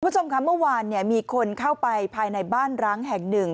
คุณผู้ชมค่ะเมื่อวานมีคนเข้าไปภายในบ้านร้างแห่งหนึ่ง